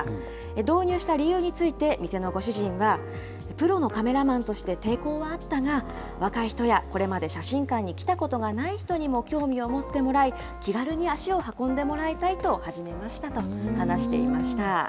導入した理由について、店のご主人は、プロのカメラマンとして抵抗はあったが、若い人やこれまで写真館に来たことがない人にも興味を持ってもらい、気軽に足を運んでもらいたいと始めましたと話していました。